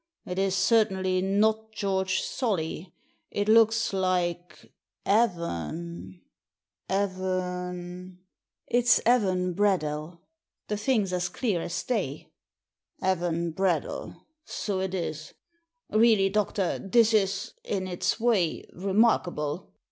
" It is certainly not * George Solly.' It looks like * Evan '—'Evan '"" It's ' Evan Bradell' The thing's as clear as day." "Evan Bradell — so it is. Really, doctor, this is, in its way, remarkable."